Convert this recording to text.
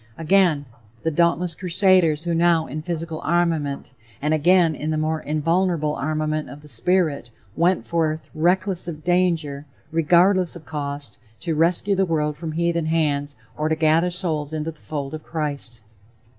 Again: "The dauntless crusaders who now in physical armament and again in the more invulnerable armament of the spirit, went forth, reckless of danger, regardless of cost, to rescue the world from heathen hands or to gather souls into the fold of Christ."